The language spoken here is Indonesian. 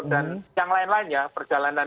dan yang lain lainnya perjalanan